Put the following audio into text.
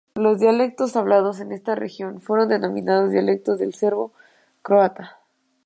Los dialectos hablados en esta región fueron denominados dialectos del serbo-croata.